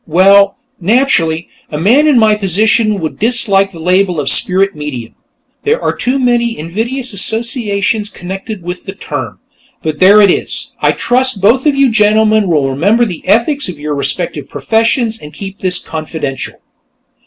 Well, naturally, a man in my position would dislike the label of spirit medium; there are too many invidious associations connected with the term. But there it is. I trust both of you gentlemen will remember the ethics of your respective professions and keep this confidential."